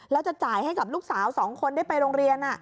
แล้วจะจ่ายให้กับลูกสาว๒คนได้ไปโรงเรียน